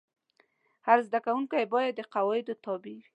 هر زده کوونکی باید د قواعدو تابع وای.